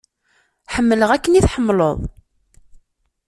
Ḥemmleɣ akken i tḥemmleḍ.